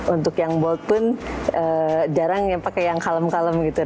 untuk yang bold pun jarang yang pakai yang kalem kalem gitu